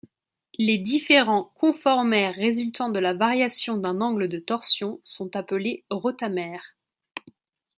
Les différents conformères résultant de la variation d'un angle de torsion sont appelés rotamères.